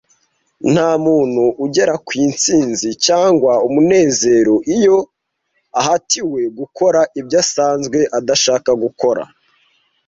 Nta muntu ugera ku ntsinzi cyangwa umunezero iyo ahatiwe gukora ibyo asanzwe adashaka gukora.